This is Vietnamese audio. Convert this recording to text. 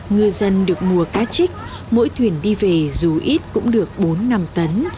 ngư dân được mua cá trích mỗi thuyền đi về dù ít cũng được bốn năm tấn